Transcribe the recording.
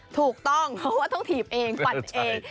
ถูกต้องเพราะว่าต้องถีบเองปั่นเอง